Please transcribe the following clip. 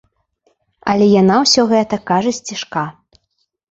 Але яна ўсё гэта кажа сцішка.